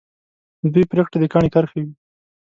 د دوی پرېکړه د کاڼي کرښه وي.